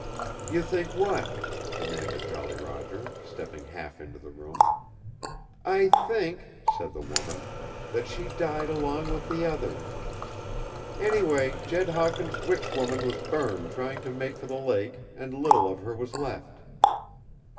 "You think what?" demanded Jolly Roger, stepping half into the room. "I think," said the woman, "that she died along with the others. Anyway, Jed Hawkins' witch woman was burned trying to make for the lake, and little of her was left."